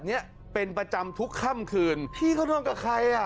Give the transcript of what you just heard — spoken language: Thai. เนี้ยเป็นประจำทุกค่ำคืนพี่เขานอนกับใครอ่ะ